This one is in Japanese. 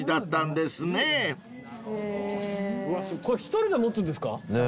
これ一人で持つんですか！